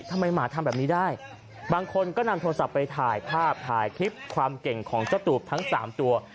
หมาทำแบบนี้ได้บางคนก็นำโทรศัพท์ไปถ่ายภาพถ่ายคลิปความเก่งของเจ้าตูบทั้ง๓ตัว